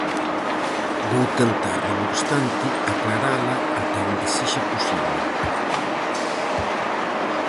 Vou tentar, non obstante, aclarala ata onde sexa posible.